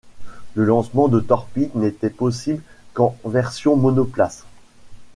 Le lancement de torpille n’était possible qu’en version monoplace.